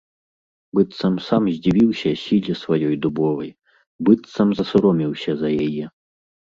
Быццам сам здзівіўся сіле сваёй дубовай, быццам засаромеўся за яе.